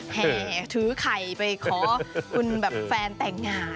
แห่ถือไข่ไปขอคุณแบบแฟนแต่งงาน